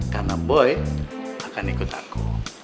karena boy akan ikut aku